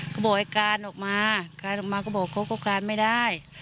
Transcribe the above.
ก็บอกไอ้การออกมาการออกมาก็บอกเขาก็การไม่ได้